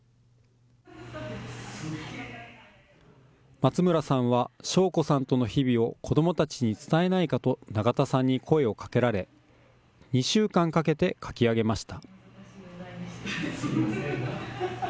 松村さんは、祥子さんとの日々を、子どもたちに伝えないかと永田さんに声をかけられ、２週間かけて書き上げました。